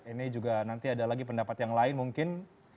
ini juga nanti ada lagi pendapat yang lain mungkin